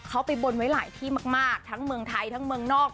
เขาไปบนไว้หลายที่มากทั้งเมืองไทยทั้งเมืองนอก